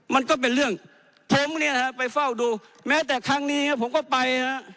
มันก็เป็นเรื่องผมไปเฝ้าดูแม้แต่ครั้งนี้ผมก็ไป